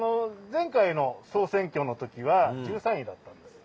前回の総選挙の時は１３位だったんです。